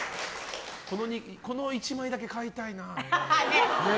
この１枚だけ買いたいな。